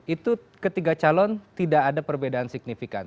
itu ketiga calon tidak ada perbedaan signifikan